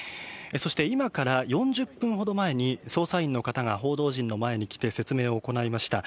そして今から４０分ほど前に、捜査員の方が報道陣の前に来て、説明を行いました。